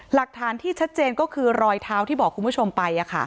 หลักฐานที่ชัดเจนก็คือรอยเท้าที่บอกคุณผู้ชมไป